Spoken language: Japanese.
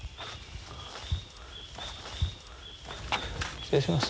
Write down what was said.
失礼します。